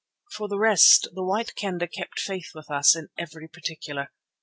For the rest the White Kendah kept faith with us in every particular.